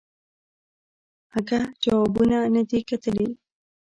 اگه جوابونه ندي کتلي.